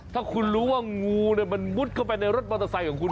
ถ้าคุณรู้ว่างูมันมุดเข้าไปในรถมอเตอร์ไซค์ของคุณ